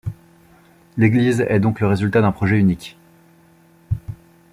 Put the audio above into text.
L'église est donc le résultat d'un projet unique.